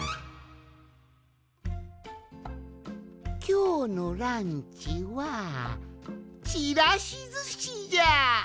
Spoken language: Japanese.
きょうのランチはちらしずしじゃ！